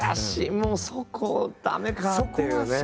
もうそこ駄目かっていうね。